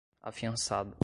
afiançado